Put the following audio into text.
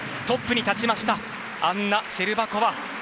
トップに立ちましたアンナ・シェルバコワ。